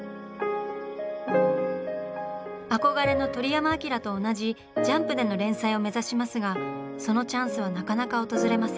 憧れの鳥山明と同じ「ジャンプ」での連載を目指しますがそのチャンスはなかなか訪れません。